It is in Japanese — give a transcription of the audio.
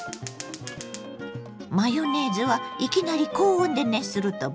マヨネーズはいきなり高温で熱すると分離しやすいの。